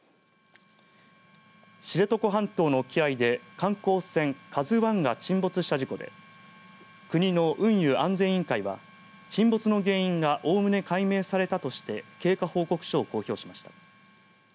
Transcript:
知床半島の沖合で観光船ＫＡＺＵＩが沈没した事故で国の運輸安全委員会は沈没の原因がおおむね解明されたとして経過報告書を公表しました。